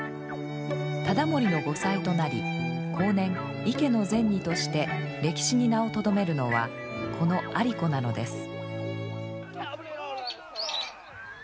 忠盛の後妻となり後年池ノ尼として歴史に名をとどめるのはこの有子なのです。